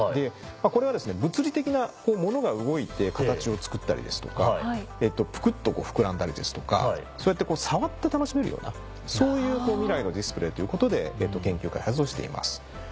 これは物理的なモノが動いて形をつくったりですとかプクっとふくらんだりですとかそうやって触って楽しめるようなそういう未来のディスプレーということで研究開発をしています。